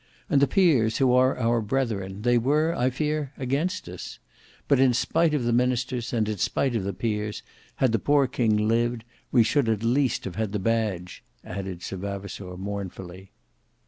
And the peers, who are our brethren, they were, I fear, against us. But in spite of the ministers, and in spite of the peers, had the poor king lived, we should at least have had the badge," added Sir Vavasour mournfully.